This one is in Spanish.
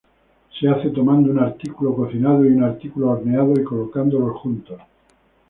Se hace tomando un artículo cocinado y un artículo horneado, y colocándolos juntos.